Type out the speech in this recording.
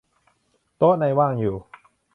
โต๊ะในว่างอยู่